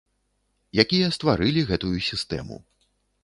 Якія стварылі гэтую сістэму.